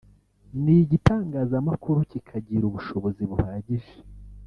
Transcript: n’igitangazamakuru kikagira ubushobozi buhagije”